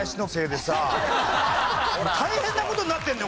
大変な事になってんだよ。